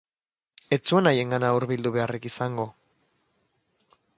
Ez zuen haiengana hurbildu beharrik izango...